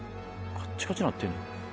カッチカチになってる。